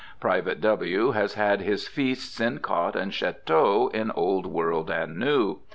Private W. has had his feasts in cot and chateau in Old World and New.